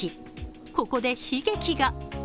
ここで悲劇が。